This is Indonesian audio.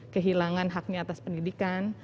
kehilangan haknya atas pendidikan